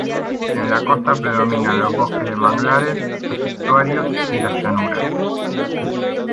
En la costa predominan los bosques de manglares, los estuarios y las llanuras.